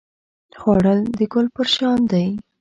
خوړل د ګل پر شان دی